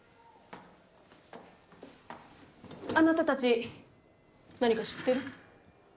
あなたたち何か知ってる？